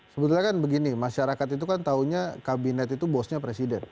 sebetulnya kan begini masyarakat itu kan tahunya kabinet itu bosnya presiden